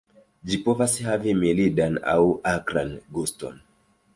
Ĝi povas havi mildan aŭ akran guston.